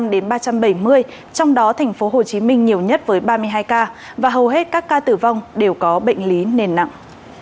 ba trăm ba mươi năm đến ba trăm bảy mươi trong đó thành phố hồ chí minh nhiều nhất với ba mươi hai ca và hầu hết các ca tử vong đều có bệnh lý nền nặng